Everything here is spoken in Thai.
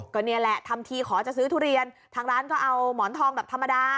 ก็นี่แหละทำทีขอจะซื้อทุเรียนทางร้านก็เอาหมอนทองแบบธรรมดา